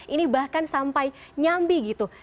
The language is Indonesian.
ini bahkan sampai nyambi gitu